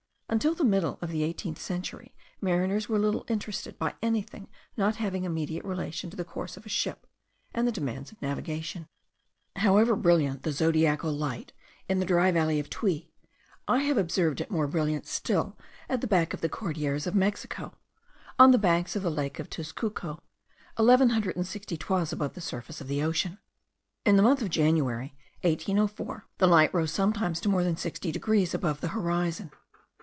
Until the middle of the eighteenth century mariners were little interested by anything not having immediate relation to the course of a ship, and the demands of navigation. However brilliant the zodiacal light in the dry valley of Tuy, I have observed it more beautiful still at the back of the Cordilleras of Mexico, on the banks of the lake of Tezcuco, eleven hundred and sixty toises above the surface of the ocean. In the month of January, 1804, the light rose sometimes to more than 60 degrees above the horizon.